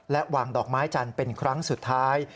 และวางดอกไม้จันทร์เป็นครั้งสุดท้าย